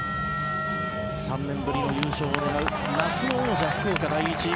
３年ぶりの優勝を狙う夏の王者、福岡第一。